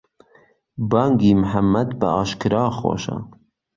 بانگی موحەمەد بە ئاشکرا خۆشە